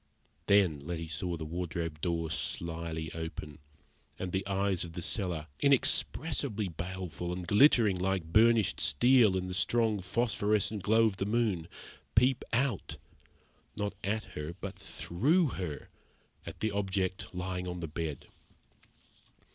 Then Letty saw the wardrobe door slyly open, and the eyes of the cellar inexpressibly baleful, and glittering like burnished steel in the strong phosphorescent glow of the moon, peep out, not at her but through her, at the object lying on the bed.